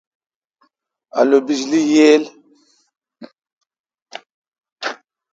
الو بجلی ییل۔؟